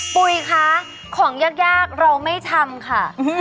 ปุ๋ยคะของยากเราไม่ทำค่ะ